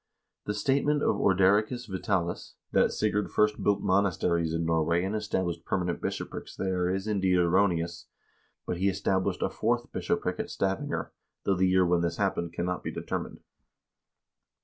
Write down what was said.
The statement of Ordericus Vitalis x that Sigurd first built monasteries in Norway and established permanent bishoprics there is, indeed, erroneous, but he established a fourth bishopric at Stavanger, though the year when this happened cannot be determined.